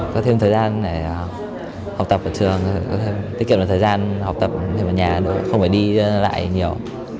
có thêm thời gian để học tập ở trường tiết kiệm được thời gian học tập ở nhà không phải đi lại nhiều